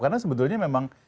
karena sebetulnya memang